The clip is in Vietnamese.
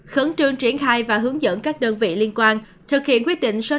khẩn trương triển khai và hướng dẫn các đơn vị liên quan thực hiện quyết định số năm nghìn năm trăm hai mươi năm